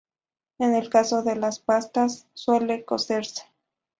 En el caso de la pasta suele cocerse.